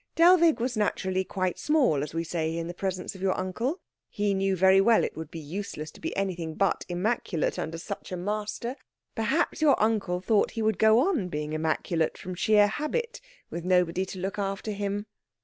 Dellwig was naturally quite small, as we say, in the presence of your uncle. He knew very well it would be useless to be anything but immaculate under such a master. Perhaps your uncle thought he would go on being immaculate from sheer habit, with nobody to look after him."